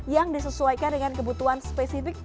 yang disesuaikan dengan kebutuhan spesifik